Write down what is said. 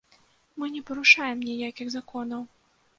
Мы не парушаем ніякіх законаў.